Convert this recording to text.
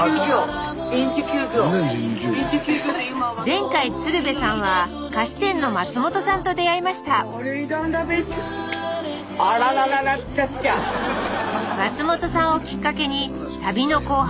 前回鶴瓶さんは菓子店の松本さんと出会いました松本さんをきっかけに旅の後半もどんどん進んでいきます